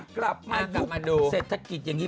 กลับมาดู